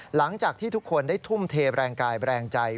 หลังจากที่ทุกคนได้ทุ่มเทแรงกายแรงใจ